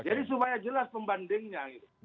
jadi supaya jelas pembandingnya